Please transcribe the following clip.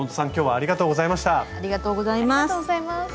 ありがとうございます。